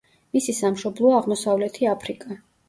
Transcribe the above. მისი სამშობლოა აღმოსავლეთი აფრიკა.